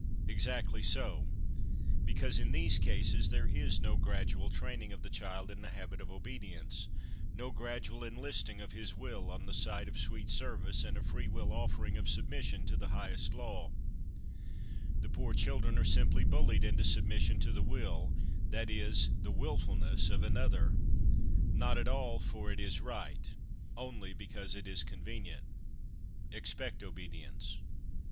Exactly so ; because, in these cases, there is no gradual training of the child in the habit of obedience ; no gradual enlisting of his will on the side of sweet service and a free will offering of submission to the highest law : the poor children are simply bullied into submission to the will, that is, the wilfulness, of another ; not at all, ' for it is right '; only because it is convenient. Expect Obedience.